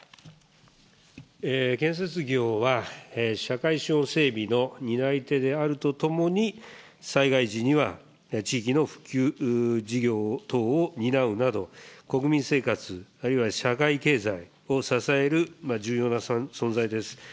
建設業は社会資本整備の担い手であるとともに、災害時には地域の復旧事業等を担うなど、国民生活、あるいは社会経済を支える重要な存在です。